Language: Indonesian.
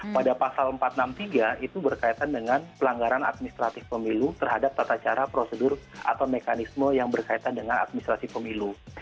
pada pasal empat ratus enam puluh tiga itu berkaitan dengan pelanggaran administratif pemilu terhadap tata cara prosedur atau mekanisme yang berkaitan dengan administrasi pemilu